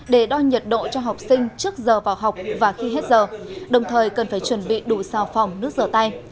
để đo nhiệt độ cho học sinh trước giờ vào học và khi hết giờ đồng thời cần phải chuẩn bị đủ xào phòng nước rửa tay